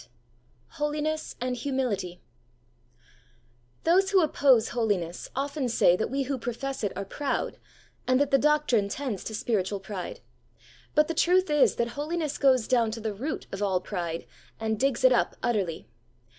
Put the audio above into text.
VIII HOLINESS AND HUMILITY Those who oppose Holiness often say that we who profess it are proud, and that the doctrine tends to spiritual pride. But the truth is, that Holiness goes down to the root of all pride, and digs it up utterly.